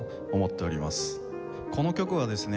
この曲はですね